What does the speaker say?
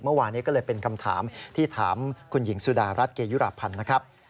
เมื่อวานนี้ก็เลยเป็นคำถามที่ถามคุณหญิงสุดารัฐเกยุราพันธ์นะครับ